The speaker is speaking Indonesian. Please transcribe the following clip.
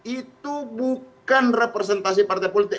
itu bukan representasi partai politik